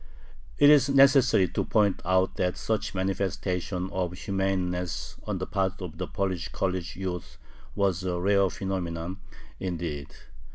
It is necessary to point out that such manifestation of humaneness on the part of the Polish college youth was a rare phenomenon, indeed.